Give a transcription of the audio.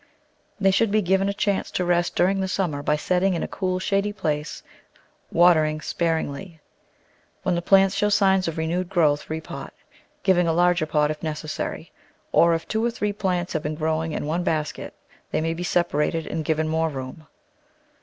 They should be given a chance to rest during the summer by setting in a cool, shady place, watering sparingly. When the plant shows signs of renewed growth repot, giving a larger pot if necessary, or, if two or three plants have been growing in one basket they may be separated and given more room.